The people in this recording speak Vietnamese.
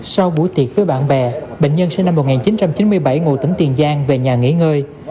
sau buổi tiệc với bạn bè bệnh nhân sinh năm một nghìn chín trăm chín mươi bảy ngụ tỉnh tiền giang về nhà nghỉ ngơi